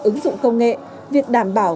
sử dụng công nghệ việc đảm bảo